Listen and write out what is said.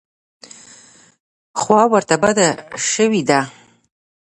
خوا ورته بده شوې ده.